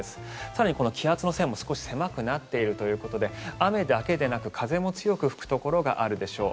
更に、この気圧の線も少し狭くなっているということで雨だけではなく風も強く吹くところあるでしょう。